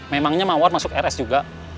memangnya mawar masuk rs juga